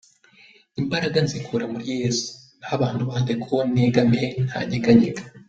Imbaraga nzikura muri Yesu, naho abantu bandeka uwo negamiye ntanyeganyega.